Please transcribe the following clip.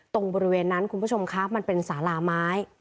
บริเวณนั้นคุณผู้ชมคะมันเป็นสาราไม้